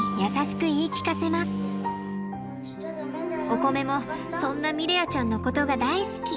おこめもそんなミレアちゃんのことが大好き。